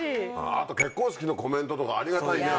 あと結婚式のコメントとかありがたい。